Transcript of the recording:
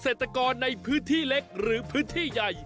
เศรษฐกรในพื้นที่เล็กหรือพื้นที่ใหญ่